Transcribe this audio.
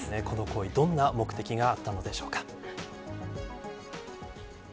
この行為、どんな目的があったのでしょうか。